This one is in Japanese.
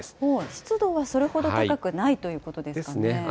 湿度はそれほど高くないということですかね？ですね。